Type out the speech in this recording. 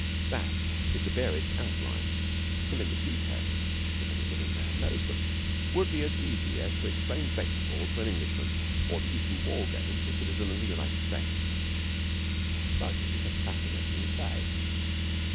That is the barest outline. To fill in the details (if any living man knows them) would be as easy as to explain baseball to an Englishman or the Eton Wall game to a citizen of the United States. But it is a fascinating play.